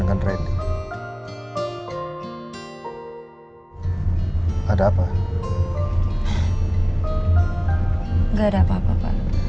enggak ada apa apa pak